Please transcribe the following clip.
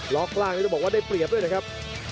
ล็อกล่างนี่จะบอกว่าได้เปรียบด้วยนะครับ